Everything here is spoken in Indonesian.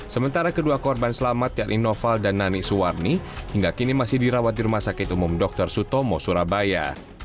sementara kedua korban selamat yakni noval dan nani suwarni hingga kini masih dirawat di rumah sakit umum dr sutomo surabaya